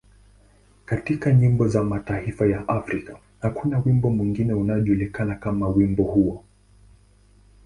Katika nyimbo za mataifa ya Afrika, hakuna wimbo mwingine unaojulikana kama wimbo huo.